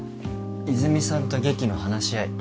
泉さんと劇の話し合い